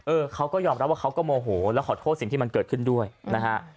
เขาก็ยอมรับว่าเขาก็โมโหแล้วขอโทษสิ่งที่มันเกิดขึ้นด้วยนะฮะ